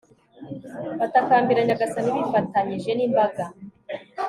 batakambira nyagasani bifatanyije n'imbaga